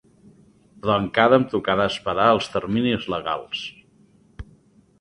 Però encara em tocarà esperar els terminis legals!